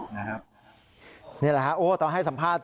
นี่แหละฮะโอ้ตอนให้สัมภาษณ์